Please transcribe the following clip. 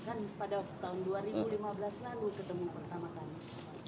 kan pada tahun dua ribu lima belas lalu ketemu pertama kali